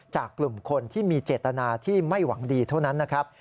จากกลุ่มคนที่มีเจตนาที่ไม่หวังดีเท่านั้นนะครับ